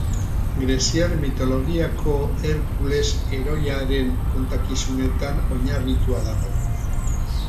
Greziar mitologiako Herkules heroiaren kontakizunetan oinarritua dago.